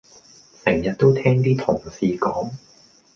成日都聽啲同事講